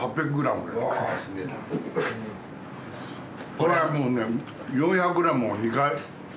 それはもうね４００ｇを２回。